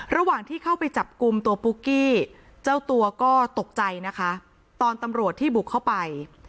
ระหว่างที่เข้าไปจับกลุ่มตัวปุ๊กกี้เจ้าตัวก็ตกใจนะคะตอนตำรวจที่บุกเข้าไป